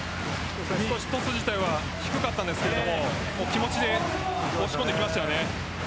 トス自体は低かったんですけど気持ちで押し込んでいきましたね。